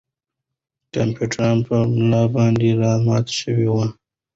کمپیوټر په ملا باندې را مات شوی و.